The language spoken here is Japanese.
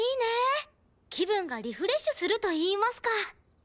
気分がリフレッシュするといいますか。